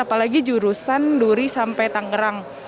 apalagi jurusan duri sampai tangerang